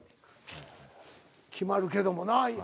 決まるけどもな。